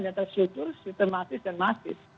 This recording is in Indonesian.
yang tersutur sistematis dan matis